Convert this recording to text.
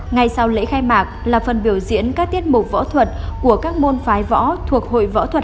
ngày sau lễ khai mạc là phần biểu diễn các tiết mục võ thuật của các môn phái võ thuộc hội võ thuật